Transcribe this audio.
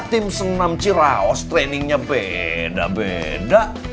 tim senam ciraos trainingnya beda beda